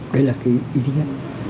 đấy là cái ý nghĩa